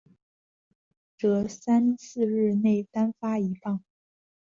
凡考英文者三四日内单发一榜。